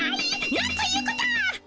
なんということを！